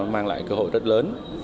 mang lại cơ hội rất lớn